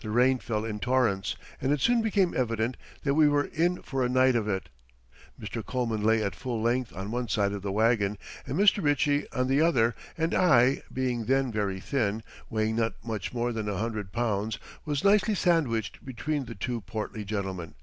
The rain fell in torrents, and it soon became evident that we were in for a night of it. Mr. Coleman lay at full length on one side of the wagon, and Mr. Ritchie on the other, and I, being then very thin, weighing not much more than a hundred pounds, was nicely sandwiched between the two portly gentlemen.